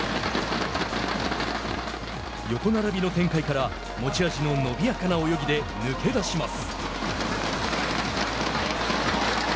横並びの展開から持ち味の伸びやかな泳ぎで抜け出します。